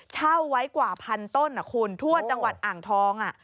เช่าไว้กว่าพันต้นคุณทั่วจังหวัดอ่างทอง